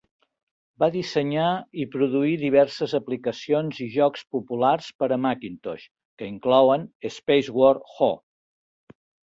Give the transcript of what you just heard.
Va dissenyar i produir diverses aplicacions i jocs populars per a Macintosh, que inclouen Spaceward Ho!